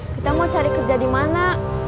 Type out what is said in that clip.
kita mau cari kerja dimana